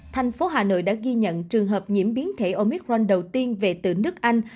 thành phố hà nội đã ghi nhận trường hợp nhiễm biến thể omicron đầu tiên về từ nước anh